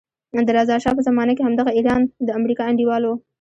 د رضا شا په زمانه کې همدغه ایران د امریکا انډیوال وو.